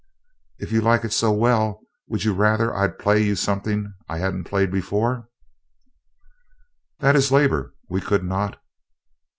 "If you like it so well, wouldn't you rather I'd play you something I hadn't played before?" "That is labor. We could not...."